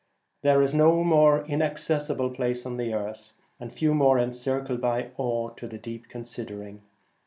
There is no more inaccessible place upon the earth, and few more en circled by awe to the deep considering.